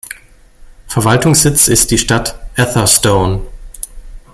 Verwaltungssitz ist die Stadt Atherstone.